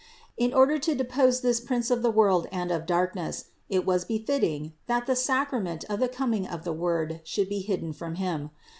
In order to depose this prince of the world and of darkness, it was befitting, that the sacrament of the coming of the Word should be hidden from him.